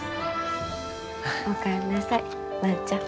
お帰りなさい万ちゃん。